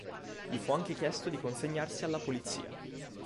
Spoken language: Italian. Gli fu anche chiesto di consegnarsi alla polizia.